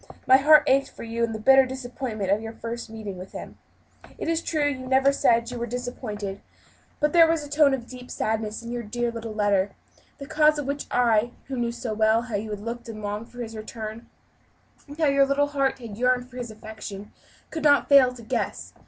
My heart ached for you in the bitter disappointment of your first meeting with him. It is true you never said that you were disappointed, but there was a tone of deep sadness in your dear little letter, the cause of which I who knew so well how you had looked and longed for his return, and how your little heart yearned for his affection could not fail to guess.